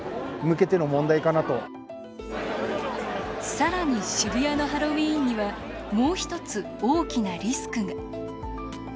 さらに渋谷のハロウィーンにはもう一つ、大きなリスクが。